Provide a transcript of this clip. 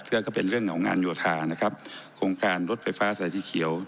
ซึ่งก็เป็นเรื่องของงานโยธานะครับโครงการรถไฟฟ้าสายสีเขียว